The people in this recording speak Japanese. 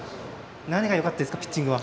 何がよかったですかピッチングは。